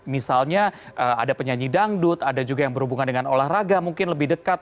misalnya ada penyanyi dangdut ada juga yang berhubungan dengan olahraga mungkin lebih dekat